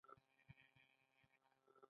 والدین د ماشوم شخصیت جوړونکي دي.